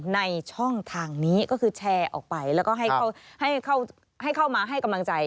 ในช่องทางนี้ก็คือแชร์ออกไปแล้วก็ให้เข้ามาให้กำลังใจ